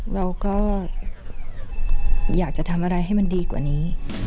เราก็อยากจะทำอะไรให้มันดีกว่านี้